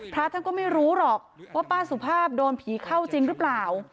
พระท่านก็ไม่รู้หรอกว่าป้าสุภาพโดนผีเข้าจริงหรือเปล่า